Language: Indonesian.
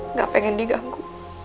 nggak pengen diganggu